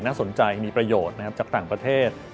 น่าสนใจมีประโยชน์นะครับจากต่างประเทศ